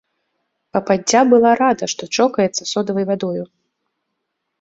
Пападдзя была рада, што чокаецца содавай вадою.